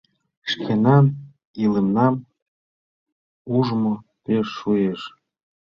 Шкенан илемнам ужмо пеш шуэш.